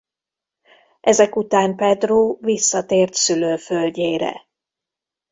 Ezek után Pedro visszatért szülőföldjére.